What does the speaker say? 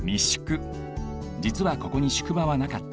じつはここに宿場はなかった。